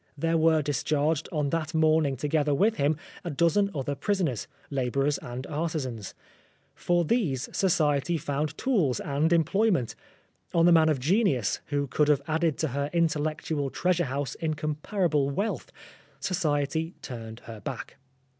There were discharged on that morning together with him a dozen other prisoners, labourers and artisans. For these Society found tools and employment. On the man of genius, who could have added to her intellectual treasure house incomparable wealth, Society turned her back.